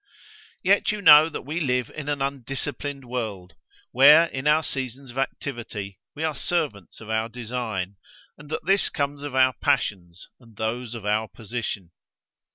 Yet you know that we live in an undisciplined world, where in our seasons of activity we are servants of our design, and that this comes of our passions, and those of our position.